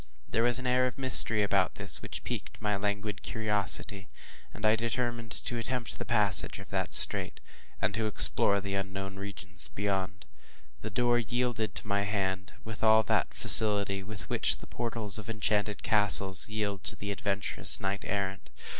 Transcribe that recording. There was an air of mystery about this that piqued my languid curiosity, and I determined to attempt the passage of that strait, and to explore the unknown regions beyond. The door yielded to my hand, with all that facility with which the portals of enchanted castles yield to the adventurous knight errant.